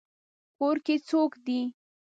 کور کې څوک دی؟